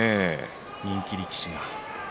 人気力士が。